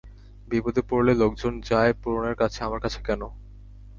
বিপদে পড়লে লোকজন যায় পূরণের কাছে আমার কাছে কেন?